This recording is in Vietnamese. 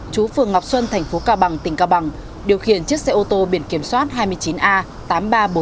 chú phường ngọc xuân tp cao bằng tỉnh cao bằng điều khiển chiếc xe ô tô biển kiểm soát hai mươi chín a tám mươi ba nghìn bốn trăm bảy mươi bốn